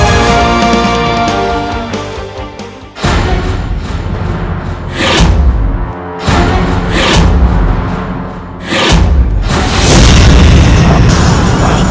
aduh kuduku mahatu